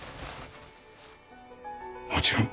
もちろん。